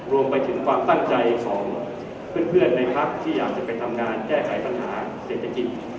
รวมไปถึงความตั้งใจของเพื่อนในพักที่อยากจะไปทำงานแก้ไขปัญหาเศรษฐกิจ